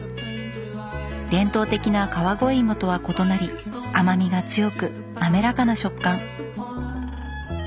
伝統的な川越いもとは異なり甘みが強く滑らかな食感。